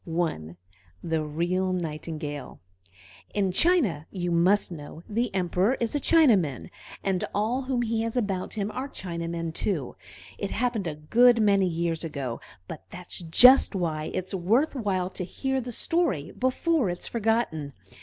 I THE REAL NIGHTINGALE In China, you must know, the Emperor is a Chinaman, and all whom he has about him are Chinamen too. It happened a good many years ago, but that's just why it's worth while to hear the story before it is forgotten.